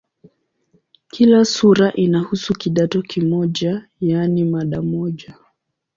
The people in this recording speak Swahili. Kila sura inahusu "kidato" kimoja, yaani mada moja.